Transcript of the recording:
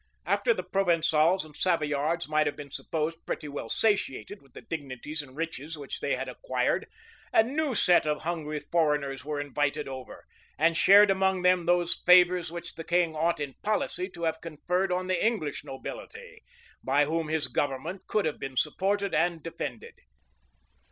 After the Provencals and Savoyards might have been supposed pretty well satiated with the dignities and riches which they had acquired, a new set of hungry foreigners were invited over, and shared among them those favors which the king ought in policy to have conferred on the English nobility, by whom his government could have been supported and defended.